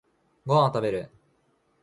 ご飯を食べる